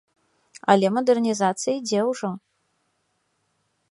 Але мадэрнізацыя ідзе ўжо.